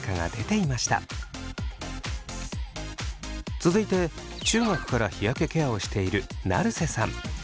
続いて中学から日焼けケアをしている成瀬さん。